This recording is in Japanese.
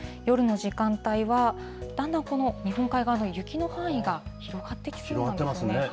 夜の時間帯は、だんだんこの日本海側の雪の範囲が広がってきそうなんですね。